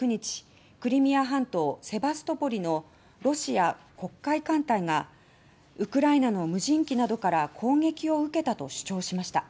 クリミア半島セバストポリのロシア黒海艦隊がウクライナの無人機などから攻撃を受けたと主張しました。